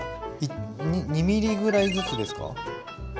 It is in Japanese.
２ｍｍぐらいずつですか？